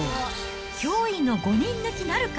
驚異の５人抜きなるか。